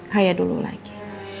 kaya dulu lagi